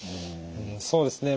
そうですね。